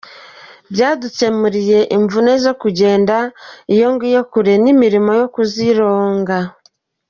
Byadukemuriye imvune zo kugenda iyo ngiyo kure n’imirimo yo kuzironga.